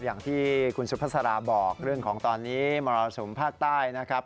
อย่างที่คุณสุภาษาราบอกเรื่องของตอนนี้มรสุมภาคใต้นะครับ